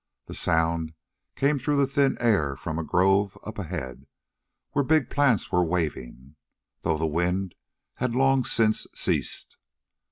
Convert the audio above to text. The sound came through the thin air from a grove up ahead, where big plants were waving, though the wind had long since ceased.